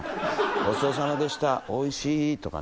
「ごちそうさまでしたおいＣ！」とかね